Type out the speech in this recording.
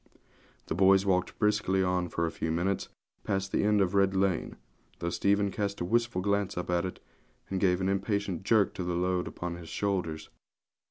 The boys walked briskly on for a few minutes, past the end of Red Lane, though Stephen cast a wistful glance up it, and gave an impatient jerk to the load upon his shoulders.